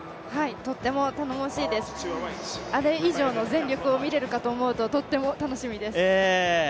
とっても頼もしいです、あれ以上の全力を見られるかと思うととっても楽しみです。